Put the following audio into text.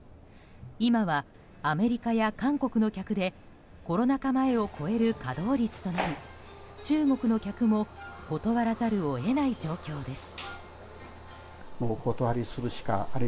今はアメリカや韓国の客でコロナ禍前を超える稼働率となり中国の客も断らざるを得ない状況です。